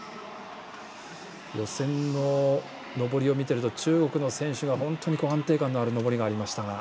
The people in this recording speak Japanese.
予選の登りを見ていると中国の選手は安定感のある登りがありましたが。